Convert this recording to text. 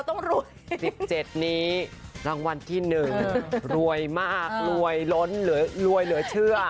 รวย๑๗นี้รางวัลที่๑รวยมากรวยล้นรวยเหลือเชื่อ